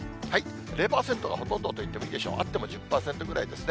０％がほとんどといってもいいでしょう、あっても１０％ぐらいですね。